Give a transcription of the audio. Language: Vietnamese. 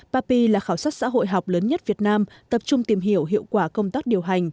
papi là khảo sát xã hội học lớn nhất việt nam tập trung tìm hiểu hiệu quả công tác điều hành